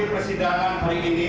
pernah belum tau next